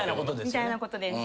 みたいなことです。